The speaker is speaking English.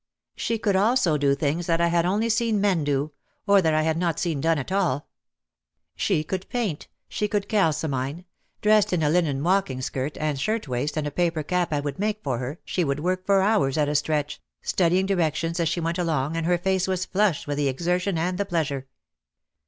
She could also do things that I had only seen men do, or that I had not seen done at all. She could paint; she could cal cimine ; dressed in a linen walking skirt and a shirt waist, and a paper cap I would make for her, she would work for hours at a stretch, studying directions as she went along and her fair face was flushed with the exertion and the pleasure.